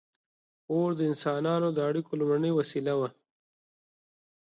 • اور د انسانانو د اړیکو لومړنۍ وسیله وه.